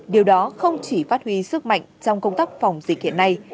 điều đó không chỉ phát huy sức mạnh trong công tác phòng dịch hiện nay